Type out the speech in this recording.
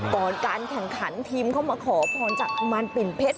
ก่อนการแข่งขันทีมเข้ามาขอพรจากกุมารปิ่นเพชร